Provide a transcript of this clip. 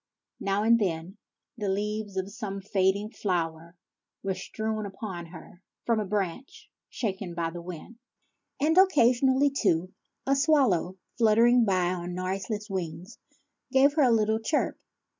Now and then the leaves of some fading flower were strewn upon her from a branch shaken by the wind ; and, occasionally, too, a swallow, flitting by on noiseless wings, gave her a little chirp.